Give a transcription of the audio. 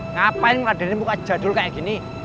ngapain radirin muka jadul kayak gini